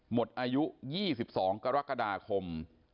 หมดอายุ๒๒กรกฎาคม